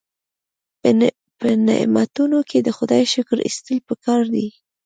په نعمتونو کې د خدای شکر ایستل پکار دي.